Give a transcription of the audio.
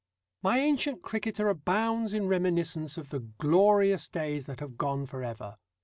My ancient cricketer abounds in reminiscence of the glorious days that have gone for ever.